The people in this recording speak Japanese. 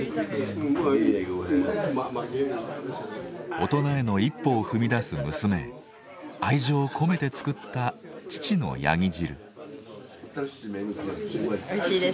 大人への一歩を踏み出す娘へ愛情込めて作った父のヤギ汁。